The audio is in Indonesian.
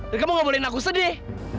dan kamu gak bolehin aku sedih